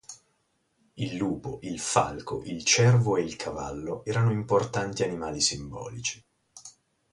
Il lupo, il falco, il cervo e il cavallo erano importanti animali simbolici.